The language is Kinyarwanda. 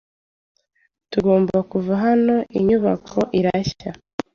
Tugomba kuva hano. Inyubako irashya.